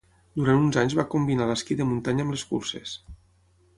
Durant uns anys va combinar l'esquí de muntanya amb les curses.